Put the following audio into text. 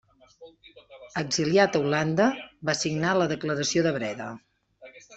Exiliat a Holanda, va signar la Declaració de Breda.